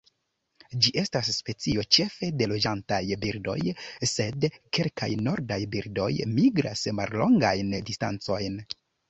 Ĝi estas specio ĉefe de loĝantaj birdoj, sed kelkaj nordaj birdoj migras mallongajn distancojn.